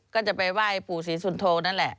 ก็จะไปไหว้ปู่ศรีสุนโทนั่นแหละ